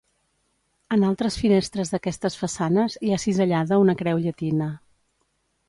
En altres finestres d'aquestes façanes hi ha cisellada una creu llatina.